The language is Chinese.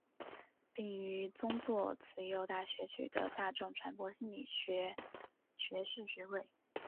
并于宗座慈幼大学取得大众传播心理学学士学位。